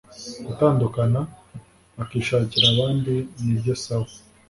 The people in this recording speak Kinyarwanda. gutandukana bakishakira abandi nibyo sawa